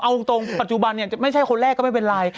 เอาตรงปัจจุบันเนี่ยไม่ใช่คนแรกก็ไม่เป็นไร